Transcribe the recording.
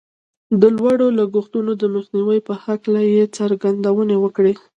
د لوړو لګښتونو د مخنیوي په هکله یې څرګندونې وکړې